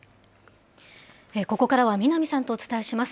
ここからは南さんとお伝えします。